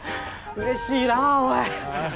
うれしいなぁおい。